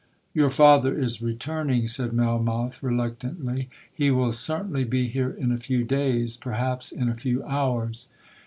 'Your father is returning,' said Melmoth reluctantly. 'He will certainly be here in a few days, perhaps in a few hours.'